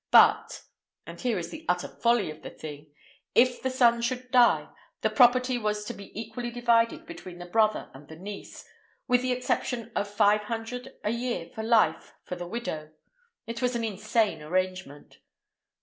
But—and here is the utter folly of the thing—if the son should die, the property was to be equally divided between the brother and the niece, with the exception of five hundred a year for life to the widow. It was an insane arrangement."